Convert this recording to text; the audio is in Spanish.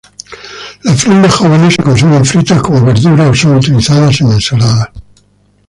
Las frondas jóvenes se consumen fritas como verduras o son utilizadas en ensaladas.